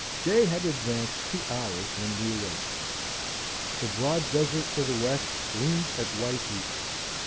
Day had advanced two hours when we awoke. The broad desert to the west gleamed at white heat.